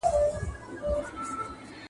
زه به کتابونه وړلي وي!!